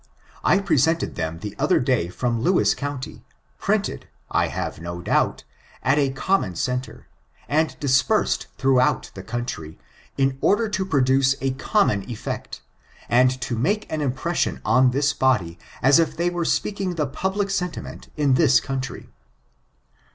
I presented them the other day from Lewis county, printed, I have no doubt, at a common centre, and dispersed throughout the country, in order to produce a common effect, and to make an impression on this body as if they were speaking the public sentiment in this country.